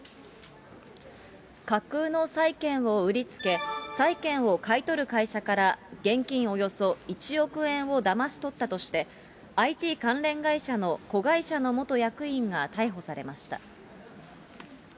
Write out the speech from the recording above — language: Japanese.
架空の債権を売りつけ、債権を買い取る会社から、現金およそ１億円をだまし取ったとして、ＩＴ関連会社の子会社の元役員が逮捕されました。